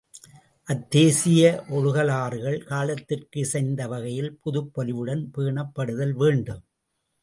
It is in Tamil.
அத்தேசிய ஒழுகலாறுகள் காலத்திற்கு இசைந்த வகையில் புதுப்பொலிவுடன் பேணப் படுதல் வேண்டும்.